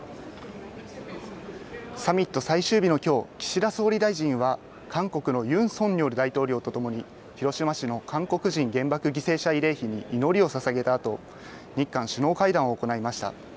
サミット最終日のきょう岸田総理大臣は韓国のユン・ソンニョル大統領とともに広島市の韓国人原爆犠牲者慰霊碑に祈りをささげたあと日韓首脳会談を行いました。